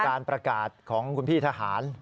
การประกาศของคุณพี่ทหาร